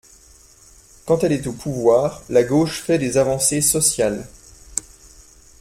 Quand elle est au pouvoir, la gauche fait des avancées sociales.